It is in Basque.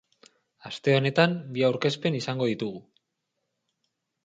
Aste honetan bi aurkezpen izango ditugu.